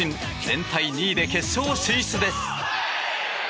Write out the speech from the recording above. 全体２位で決勝進出です。